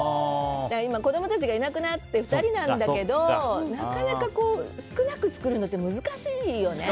今、子供たちがいなくなって２人なんだけどなかなか少なく作るのって難しいよね。